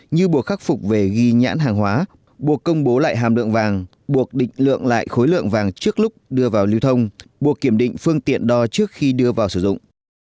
như buộc khắc phục về ghi nhãn hàng hóa buộc công bố lại hàm lượng vàng buộc định lượng lại khối lượng vàng trước lúc đưa vào lưu thông buộc kiểm định phương tiện đo trước khi đưa vào sử dụng